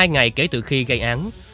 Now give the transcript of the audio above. một mươi hai ngày kể từ khi gây án